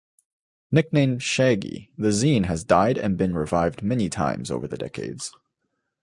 Nicknamed "Shaggy", the zine has died and been revived many times over the decades.